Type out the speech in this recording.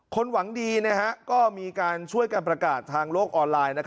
หวังดีก็มีการช่วยกันประกาศทางโลกออนไลน์